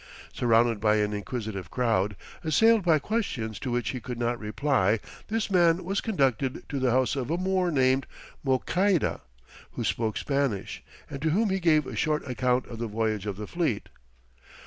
Surrounded by an inquisitive crowd, assailed by questions to which he could not reply, this man was conducted to the house of a Moor named Mouçaïda, who spoke Spanish, and to whom he gave a short account of the voyage of the fleet.